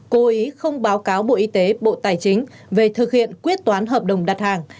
cố ý không báo cáo bộ y tế bộ tài chính về thực hiện quyết toán hợp đồng đặt hàng